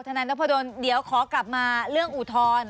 นายนพดลเดี๋ยวขอกลับมาเรื่องอุทธรณ์